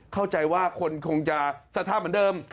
เข้าใจว่าคนคงจะสภาพเหมือนเดิม